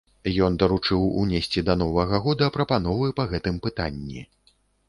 Ён даручыў унесці да новага года прапановы па гэтым пытанні.